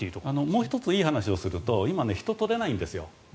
もう１ついい話をすると今、人が取れないんです。